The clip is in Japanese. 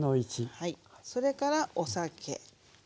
それからお酒。